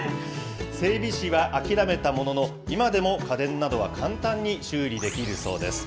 整備士は諦めたものの、今でも家電などは簡単に修理できるそうです。